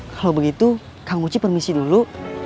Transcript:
kalau begitu kang uci permisi dulu